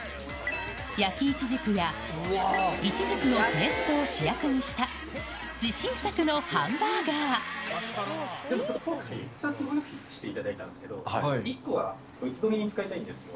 焼きいちじくや、イチジクのペーストを主役にした、自信作のハンでもちょっと、今回、２つご用意していただいたんですけど、１個は物撮りに使いたいんですよ。